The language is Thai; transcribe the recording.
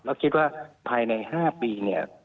แล้วคิดว่าภายใน๕ปีเนี่ย